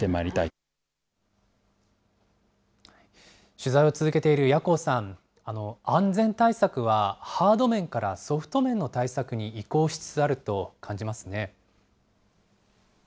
取材を続けている谷古宇さん、安全対策は、ハード面からソフト面の対策に移行しつつあると感じますね。